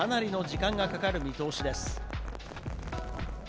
復旧にはかなりの時間がかかる見通しです。